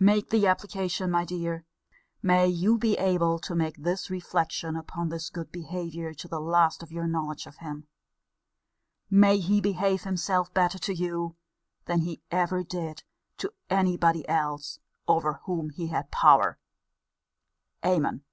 Make the application, my dear: may you be able to make this reflection upon his good behaviour to the last of your knowledge of him! May he behave himself better to you, than he ever did to any body else over whom he had power! Amen!